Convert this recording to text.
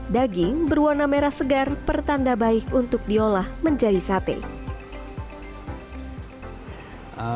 daging berwarna merah segar pertanda baik untuk diolah menjadi sate